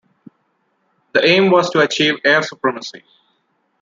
The aim was to achieve air supremacy.